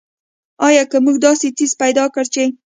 آیا که موږ داسې څیز پیدا کړ چې.